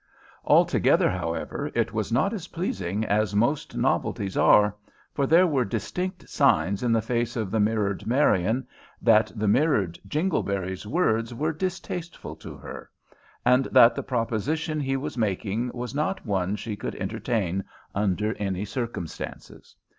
Altogether, however, it was not as pleasing as most novelties are, for there were distinct signs in the face of the mirrored Marian that the mirrored Jingleberry's words were distasteful to her, and that the proposition he was making was not one she could entertain under any circumstances.